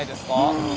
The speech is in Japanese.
うん。